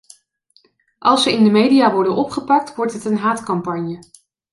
Als ze in de media worden opgepakt, wordt het een haatcampagne.